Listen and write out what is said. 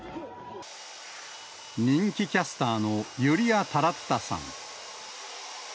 人気キャスターのユリア・タラトゥタさん。